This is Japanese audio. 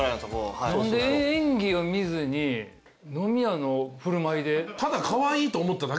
何で演技を見ずに飲み屋の振る舞いで？